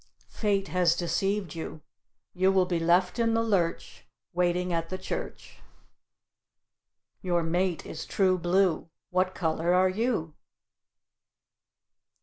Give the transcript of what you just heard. Fate has deceived you; you will be left in the lurch, waiting at the Church. Your mate is true blue; what color are you?